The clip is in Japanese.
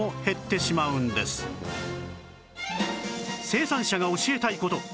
生産者が教えたい事